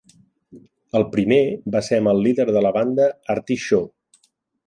El primer va ser amb el líder de la banda Artie Shaw.